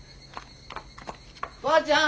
ばあちゃん！